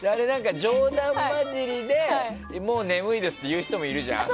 冗談交じりでもう眠いですって言う人もいるじゃん。